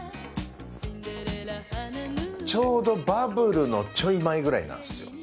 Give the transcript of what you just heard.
ちょうどバブルのちょい前ぐらいなんですよ。